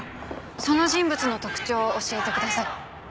その人物の特徴を教えてください。